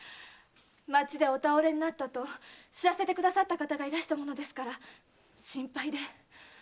町でお倒れになったと報せてくださった方がいらしたもので心配で。